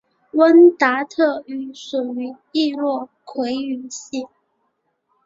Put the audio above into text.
温达特语属于易洛魁语系。